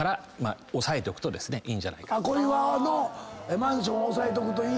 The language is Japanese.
小岩のマンションを押さえとくといい？